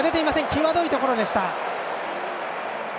際どいところでした。